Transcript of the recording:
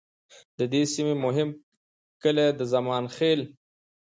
د دې سیمې مهم کلي د زمان خیل،